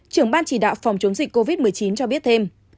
trưởng ban chỉ đạo phòng chống dịch covid một mươi chín cho biết thêm